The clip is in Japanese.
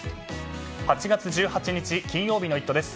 ８月１８日、金曜日の「イット！」です。